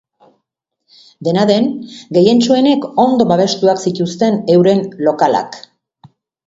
Dena den, gehientsuenek ondo babestuak zituzten euren lokalak.